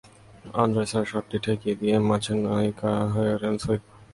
আন্দ্রেসার শটটিও ঠেকিয়ে দিয়ে ম্যাচের নায়িকা হয়ে গেছেন সুইড গোলরক্ষক হেডভিগ লিন্ডাল।